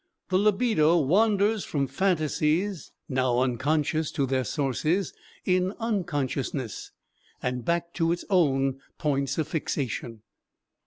The libido wanders from phantasies now unconscious to their sources in unconsciousness, and back to its own points of fixation.